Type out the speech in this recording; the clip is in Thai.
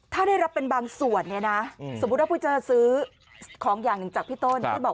ถ้าได้รับเป็นบางส่วนเนี่ยนะสมมุติว่าผู้จะซื้อของอย่างหนึ่งจากพี่ต้นที่บอก